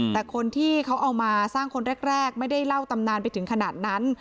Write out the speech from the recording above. แต่คนที่เขาเอามาสร้างคนแรกไม่ได้เล่าตำนานไปถึงขนาดนั้น